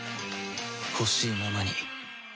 ほしいままに